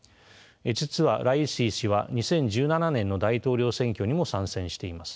実はライシ師は２０１７年の大統領選挙にも参戦しています。